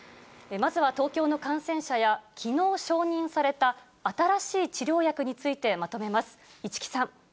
まずは東京の感染者や、きのう承認された新しい治療薬についてまとめます。